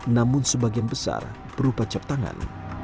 namun sebagian besar berupa cap tangan